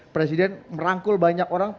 presiden merangkul banyak orang